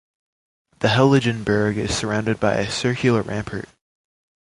The Heiligenberg is surrounded by a circular rampart.